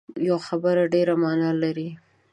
یوه خبره ډېره معنا لري